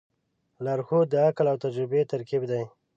لارښود د عقل او تجربې ترکیب دی.